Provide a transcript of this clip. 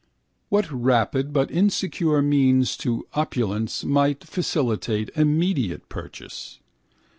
What rapid but insecure means to opulence might facilitate immediate purchase?